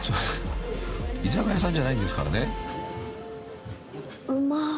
［居酒屋さんじゃないんですからね］